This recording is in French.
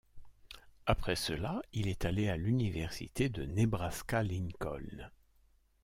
Après cela, il est allé à l'Université de Nebraska-Lincoln.